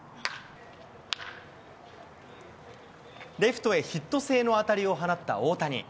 レフトへヒット性の当たりを放った大谷。